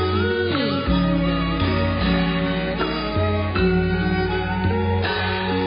ทรงเป็นน้ำของเรา